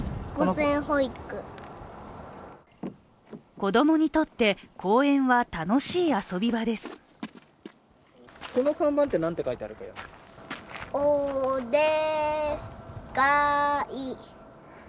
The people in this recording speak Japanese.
子供にとって公園は楽しい遊び場です。